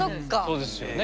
そうですよね。